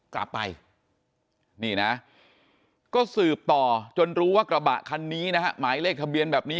กลับไปนี่นะก็สืบต่อจนรู้ว่ากระบะคันนี้นะฮะหมายเลขทะเบียนแบบนี้